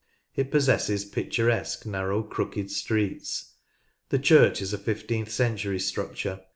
It possesses picturesque narrow crooked streets. The church is a fifteenth century structure.